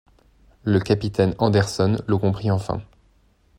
Le capitaine Anderson le comprit enfin.